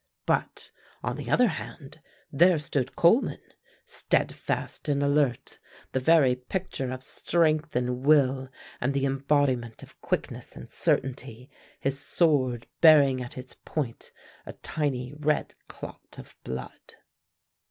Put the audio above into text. But, on the other hand, there stood Coleman, steadfast and alert, the very picture of strength and will, and the embodiment of quickness and certainty, his sword bearing at its point a tiny red clot of blood.